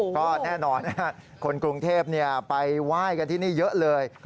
ก็แน่นอนคนกรุงเทพไปไหว้กันที่นี่เยอะเลย